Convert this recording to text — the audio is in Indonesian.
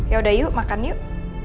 yaudah yuk makan yuk